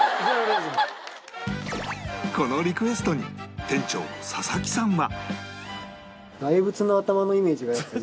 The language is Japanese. このリクエストに店長佐々木さんは